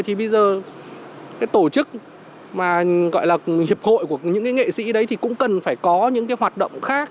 thì bây giờ cái tổ chức mà gọi là hiệp hội của những cái nghệ sĩ đấy thì cũng cần phải có những cái hoạt động khác